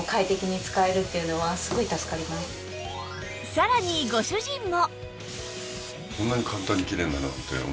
さらにご主人も！